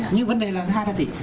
nhưng vấn đề là hai cái gì